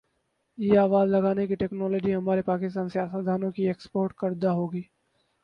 یہ آواز لگانے کی ٹیکنالوجی ہمارے پاکستانی سیاستدا نوں کی ایکسپورٹ کردہ ہوگی